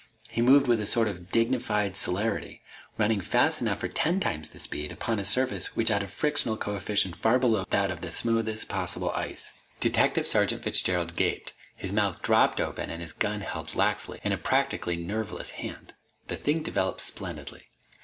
He moved with a sort of dignified celerity, running fast enough for ten times the speed, upon a surface which had a frictional coefficient far below that of the smoothest possible ice. Detective Sergeant Fitzgerald gaped, his mouth dropped open and his gun held laxly in a practically nerveless hand. The thing developed splendidly.